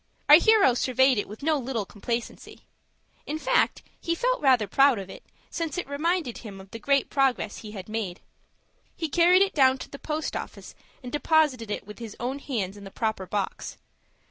Our hero surveyed it with no little complacency. In fact, he felt rather proud of it, since it reminded him of the great progress he had made. He carried it down to the post office, and deposited it with his own hands in the proper box.